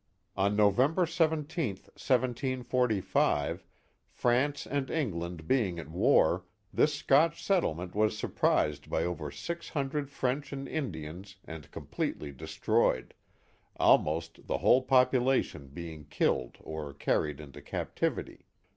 On No vember 17, 1745, France and England being at war, this Scotch settlement was surprised by over six hundred French and Indians and completely destroyed, almost the whole popu lation being killed or carried into captivity.